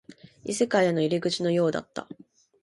異世界への入り口のようだった